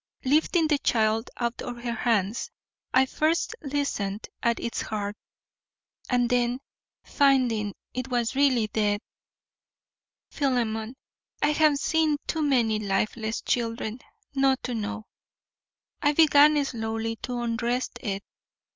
Lifting the child out of her hands, I first listened at its heart, and then, finding it was really dead, Philemon, I have seen too many lifeless children not to know, I began slowly to undress it.